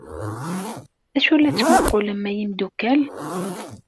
D acu la tesmuqqulem ay imeddukal